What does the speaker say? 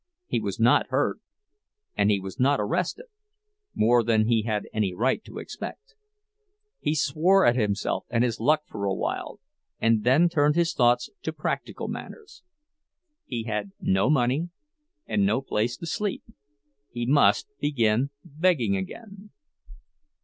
He was not hurt, and he was not arrested—more than he had any right to expect. He swore at himself and his luck for a while, and then turned his thoughts to practical matters. He had no money, and no place to sleep; he must begin begging again.